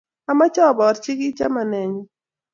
Amache aporchi key somanennyu